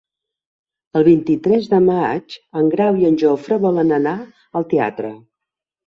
El vint-i-tres de maig en Grau i en Jofre volen anar al teatre.